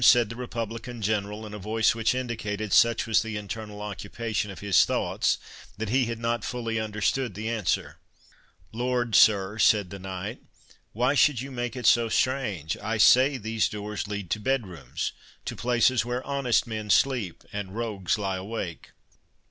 said the Republican General, in a voice which indicated such was the internal occupation of his thoughts, that he had not fully understood the answer. "Lord, sir," said the knight, "why should you make it so strange? I say these doors lead to bedrooms—to places where honest men sleep, and rogues lie awake."